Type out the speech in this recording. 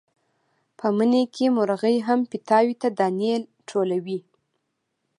په مني کې مرغۍ هم پیتاوي ته دانې ټولوي.